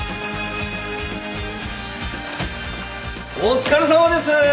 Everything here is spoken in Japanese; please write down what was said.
お疲れさまです！